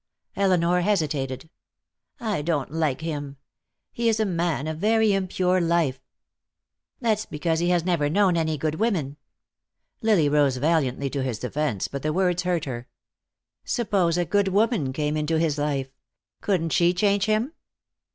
Elinor hesitated. "I don't like him. He is a man of very impure life." "That's because he has never known any good women." Lily rose valiantly to his defense, but the words hurt her. "Suppose a good woman came into his life? Couldn't she change him?"